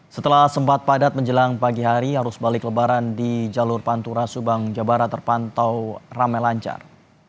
setelah sempat padat menjelang pagi hari arus balik lebaran di jalur pantura subang jawa barat terpantau ramai lancar